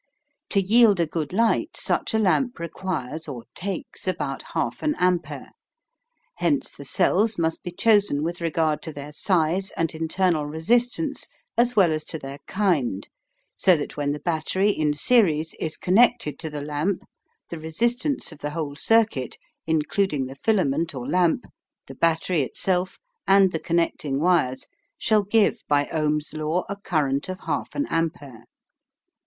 To yield a good light such a lamp requires or "takes" about 1/2 an ampere. Hence the cells must be chosen with regard to their size and internal resistance as well as to their kind, so that when the battery, in series, is connected to the lamp, the resistance of the whole circuit, including the filament or lamp, the battery itself, and the connecting wires shall give by Ohm's law a current of 1\2 an ampere.